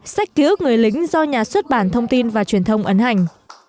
sách ký ức người lính do nhà xuất bản thông tin và truyền thông ấn hành